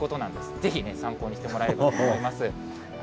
ぜひ、参考にしてもらえればと思います。